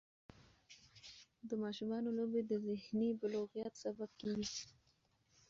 د ماشومانو لوبې د ذهني بلوغت سبب کېږي.